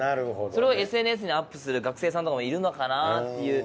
それをＳＮＳにアップする学生さんとかもいるのかなっていう。